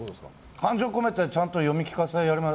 感情込めてちゃんと読み聞かせやりますよ。